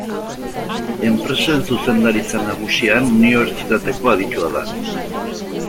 Enpresen Zuzendaritza Nagusian Unibertsitateko Aditua da.